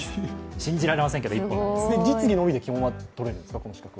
信じられませんけれども１本です実技のみで基本はとれるんですか。